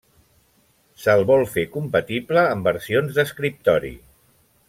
Se'l vol fer compatible amb versions d'escriptori.